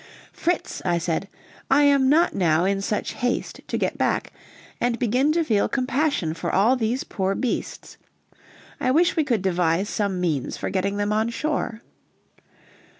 "Fritz," I said, "I am not now in such haste to get back, and begin to feel compassion for all these poor beasts. I wish we could devise some means for getting them on shore."